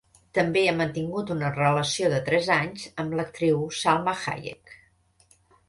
També ha mantingut una relació de tres anys amb l'actriu Salma Hayek.